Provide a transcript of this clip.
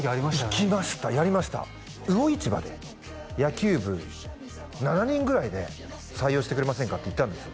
行きましたやりました魚市場で野球部７人ぐらいで採用してくれませんかって行ったんですよ